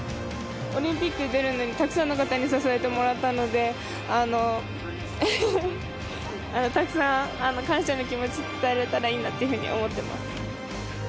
オリンピック出るのにたくさんの方に支えてもらったので、たくさん感謝の気持ち、伝えれたらいいなというふうに思ってます。